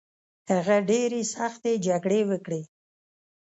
هغه ډیرې سختې جګړې وکړې